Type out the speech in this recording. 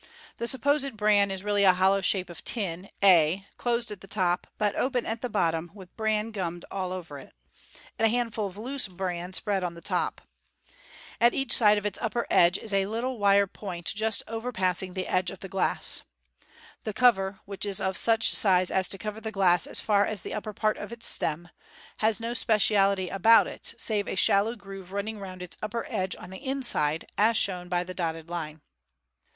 The supposed bran is really a hollow shape of tin, a, closed at the top, but open at the bottom, with bran .£\ gummed all over it, and a handfa of loose bran spread on the top£ A.t each side of its upper edge is a little wire point, just overpassing the edge of the glass. The cover (see Fig. 216), which is of such a size as to cover the glass as far as the upper part of its stem, has no speciality about it, save a shallow FlG 2I groove running round its upper edge on the inside, as shown by the dotted line.